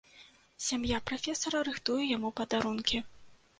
Сям'я прафесара рыхтуе яму падарункі.